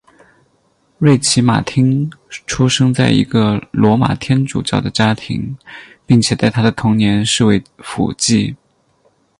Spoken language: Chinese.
瑞奇马汀出生在一个罗马天主教的家庭并且在他的童年是位辅祭。